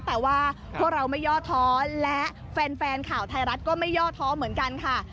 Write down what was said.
แต่ว่าพวกเราไม่ย่อท้อและแฟนข่าวไทยรัฐก็ไม่ย่อท้อเหมือนกันค่ะ